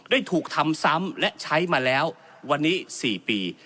ได้ถูกทำซ้ำและใช้มาแล้ววันนี้๔ปี